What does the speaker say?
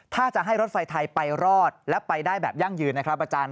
ถ้าจะให้รถไฟไทยไปรอดและไปได้แบบยั่งยืนนะครับอาจารย์